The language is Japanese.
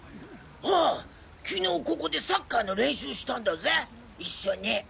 ああ昨日ここでサッカーの練習したんだぜ一緒に。